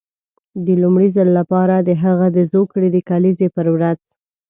د لومړي ځل لپاره د هغه د زوکړې د کلیزې پر ورځ.